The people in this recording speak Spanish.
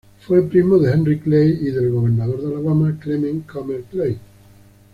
Fue primo desde Henry Clay, y del gobernador de Alabama, Clement Comer Clay.